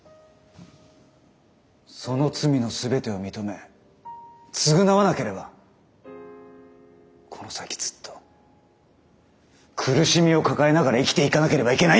その罪の全てを認め償わなければこの先ずっと苦しみを抱えながら生きていかなければいけないんですよ。